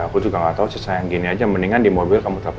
ya aku juga gak tau sih sayang gini aja mendingan di mobil kamu nanya ya